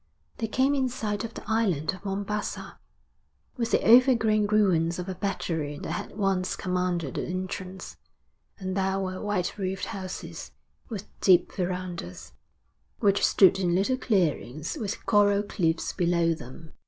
They came in sight of the island of Mombassa, with the overgrown ruins of a battery that had once commanded the entrance; and there were white roofed houses, with deep verandas, which stood in little clearings with coral cliffs below them.